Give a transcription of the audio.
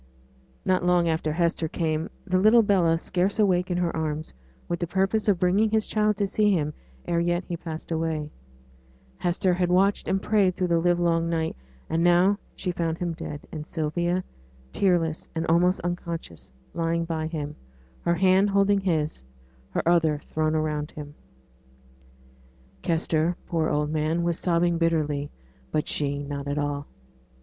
Not long after Hester came, the little Bella scarce awake in her arms, with the purpose of bringing his child to see him ere yet he passed away. Hester had watched and prayed through the livelong night. And now she found him dead, and Sylvia, tearless and almost unconscious, lying by him, her hand holding his, her other thrown around him. Kester, poor old man, was sobbing bitterly; but she not at all.